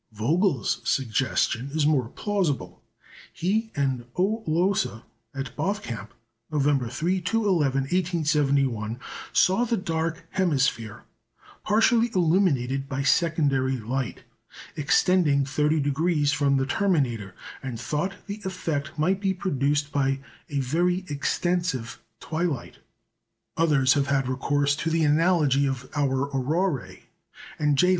Vogel's suggestion is more plausible. He and O. Lohse, at Bothkamp, November 3 to 11, 1871, saw the dark hemisphere partially illuminated by secondary light, extending 30° from the terminator, and thought the effect might be produced by a very extensive twilight. Others have had recourse to the analogy of our auroræ, and J.